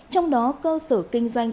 trong đó cơ sở kinh doanh